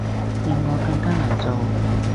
令我更加難做